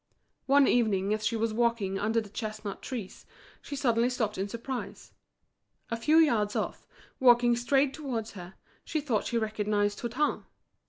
Ono evening as she was walking under the chestnut trees she suddenly stopped with surprise; a few yards off, walking straight towards her, she thought she recognised Hutin.